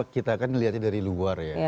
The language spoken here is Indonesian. kita kan dilihatnya dari luar ya